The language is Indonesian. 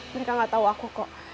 mereka gak tau aku kok